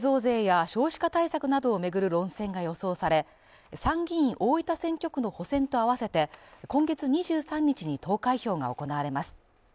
防衛増税や少子化対策などを巡る論戦が予想され参議院大分選挙区の補選と合わせて今月２３日に投開票が行われます。